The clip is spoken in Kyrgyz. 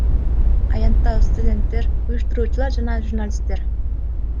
Аянтта студенттер, уюштуруучулар жана журналисттер.